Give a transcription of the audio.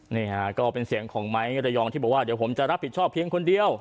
นี่ฮะก็เป็นเสียงของไม้ระยองที่บอกว่าเดี๋ยวผมจะรับผิดชอบเพียงคนเดียว